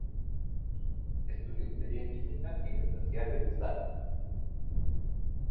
Estudió ingeniería química en la Universidad de Wiesbaden.